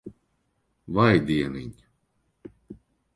Vai dieniņ.